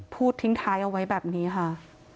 พูดทิ้งท้ายเอาไว้แบบนี้ค่ะ